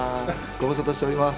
ご無沙汰しております。